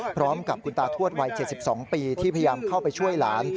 พร้อมกับคุณตาทวดวัย๗๒ปีที่พยายามเข้าไปช่วยหลาน